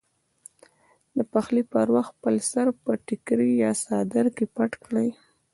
د پخلي پر وخت خپل سر په ټیکري یا څادر کې پټ کړئ.